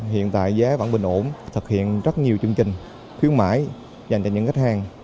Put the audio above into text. hiện tại giá vẫn bình ổn thực hiện rất nhiều chương trình khuyến mãi dành cho những khách hàng